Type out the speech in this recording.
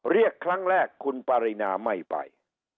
เรียกครั้งแรกคุณปรินาไม่ไป